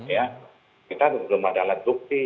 ya kita belum ada alat bukti